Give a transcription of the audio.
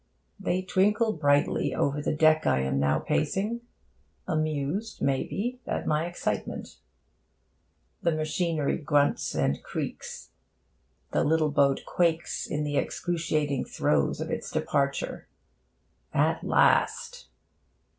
They twinkle brightly over the deck I am now pacing amused, may be, at my excitement. The machinery grunts and creaks. The little boat quakes in the excruciating throes of its departure. At last!...